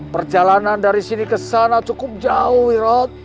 perjalanan dari sini ke sana cukup jauh wiro